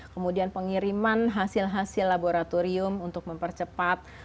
kemudian pengiriman hasil hasil laboratorium untuk mempercepat